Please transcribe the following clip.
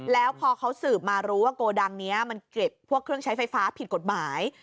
แล้วพอเขาสืบมารู้ว่าโกดังนี้มันเก็บพวกเครื่องใช้ไฟฟ้าผิดกฎหมาย